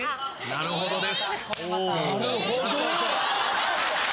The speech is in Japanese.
・・なるほどです！